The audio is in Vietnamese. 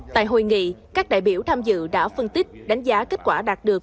tại hội nghị các đại biểu tham dự đã phân tích đánh giá kết quả đạt được